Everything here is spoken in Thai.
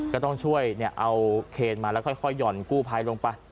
ก็ต้องช่วยเอาเคนมาแล้วค่อยห่อนกู้ภัยลงไป